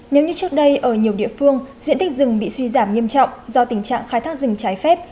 nếu như trước đây ở nhiều địa phương diện tích rừng bị suy giảm nghiêm trọng do tình trạng khai thác rừng trái phép